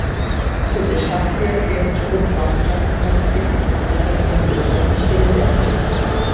তবে সাতক্ষীরার কেন্দ্রীয় বাস টার্মিনাল থেকে দূরপাল্লার কোনো পরিবহন ছেড়ে যায়নি।